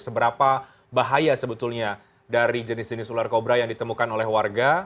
seberapa bahaya sebetulnya dari jenis jenis ular kobra yang ditemukan oleh warga